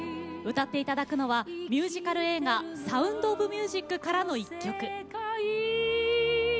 歌っていただくのはミュージカル映画「サウンド・オブ・ミュージック」からの１曲。